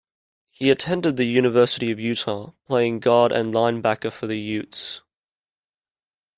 He attended the University of Utah, playing guard and linebacker for the Utes.